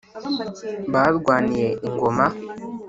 barwaniye ingoma,